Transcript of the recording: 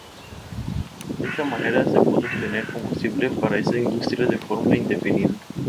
De esta manera, se pudo obtener combustible para esa industria de forma indefinida.